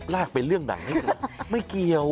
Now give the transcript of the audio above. อ๋อรากเป็นเรื่องไหนไม่เกี่ยว